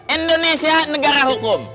indonesia negara hukum